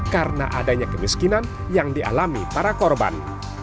karena adanya kemiskinan yang dialami para korban